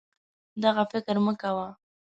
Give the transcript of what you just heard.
دغه فکر مه کوه